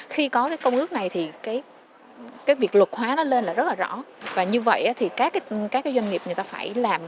khi có cái công ước này thì cái việc luật hóa nó lên là rất là rõ và như vậy thì các cái doanh nghiệp người ta phải làm